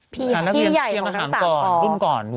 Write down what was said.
เพื่อนหน้าเลี้ยงพี่ใหญ่ของทั้งสามก่อน